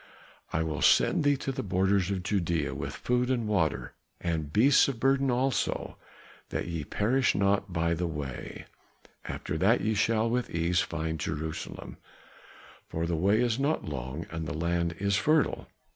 I will send thee to the borders of Judæa with food and water and beasts of burden also, that ye perish not by the way; after that shall ye with ease find Jerusalem, for the way is not long and the land is fertile.